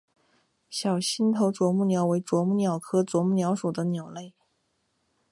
小星头啄木鸟为啄木鸟科啄木鸟属的鸟类。